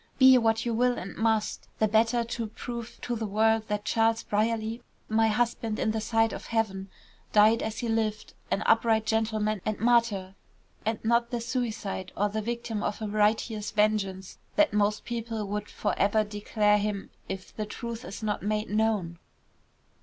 Be what you will and must, the better to prove to the world that Charles Brierly, my husband in the sight of heaven, died as he lived, an upright gentleman and martyr, and not the suicide or the victim of a righteous vengeance that most people would for ever declare him if the truth is not made known."